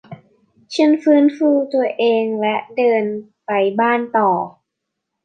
ฉันฟื้นฟูตัวเองและเดินไปบ้านต่อ